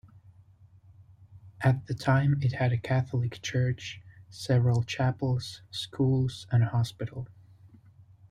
At the time it had a Catholic church, several chapels, schools and a hospital.